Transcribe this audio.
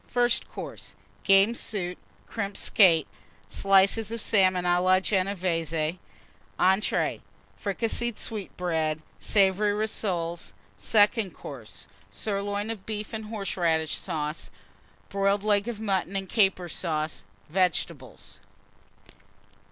FIRST COURSE. Game Soup. Crimped Skate. Slices of Salmon a la Genévése. ENTREES. Fricasseed Sweetbreads. Savoury Rissoles. SECOND COURSE. Sirloin of Beef and Horseradish Sauce. Boiled Leg of Mutton and Caper Sauce. Vegetables.